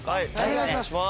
お願いします。